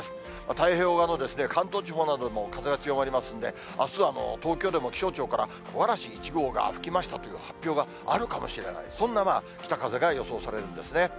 太平洋側の関東地方などでも風が強まりますんで、あすは東京でも、気象庁から木枯らし１号が吹きましたという発表があるかもしれない、そんな北風が予想されるんですね。